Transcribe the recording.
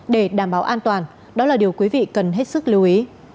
để đảm bảo an toàn đó là điều quý vị cần hết sức lưu ý